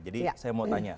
jadi saya mau tanya